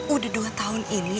udah dua tahun ini